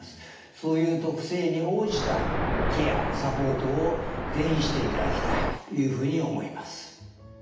そういう特性に応じたケアサポートを是非していただきたいというふうに思います。